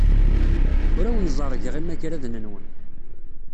Ur awen-ẓerrgeɣ imagraden-nwen.